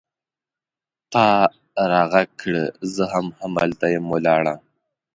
ته را ږغ کړه! زه هم هلته یم ولاړه